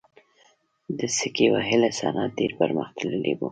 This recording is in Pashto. د سکې وهلو صنعت ډیر پرمختللی و